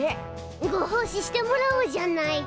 ごほう仕してもらおうじゃない。